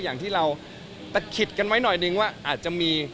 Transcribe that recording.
อย่างที่เราตะขิดกันไว้หน่อยนึงว่าอาจจะมี